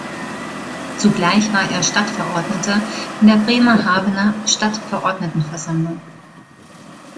Zugleich war er Stadtverordneter in der Bremerhavener Stadtverordnetenversammlung.